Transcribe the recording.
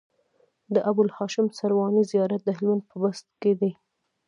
د ابوالهاشم سرواني زيارت د هلمند په بست کی دی